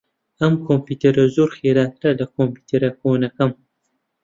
ئەم کۆمپیوتەرە زۆر خێراترە لە کۆمپیوتەرە کۆنەکەم.